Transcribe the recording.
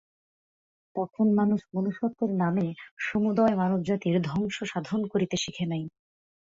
তখন মানুষ মনুষ্যত্বের নামে সমুদয় মানবজাতির ধ্বংস সাধন করিতে শিখে নাই।